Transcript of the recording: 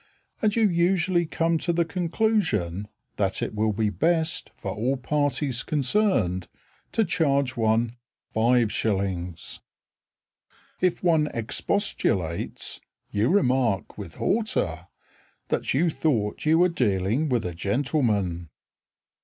And you usually come to the conclusion That it will be best For all parties concerned To charge one 5s. If one expostulates, You remark With hauteur That you thought you were dealing with a gentleman.